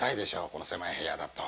この狭い部屋だと。